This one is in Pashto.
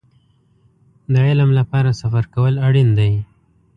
د علم لپاره سفر کول اړين دی.